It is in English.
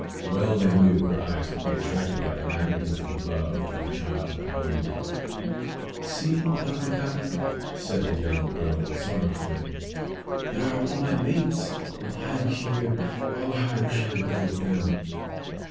Well they knew her eyes would be attracted by the magnetism of love to her child and home. "See, mother Macata," said the young girl, sorrowfully, "there are all my mates, while I am here. Oh! how I wish I could go with them!"